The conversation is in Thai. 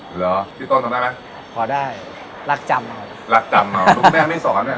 หรอพี่ต้นทำได้ไหมพอได้รักจำอ่ะรักจำอ่ะคุณแม่ไม่สอนไหม